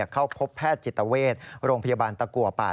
เข้าพบแพทย์จิตเวชโรงพยาบาลตะกัวป่า